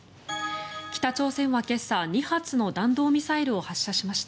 北朝鮮は今朝２発の弾道ミサイルを発射しました。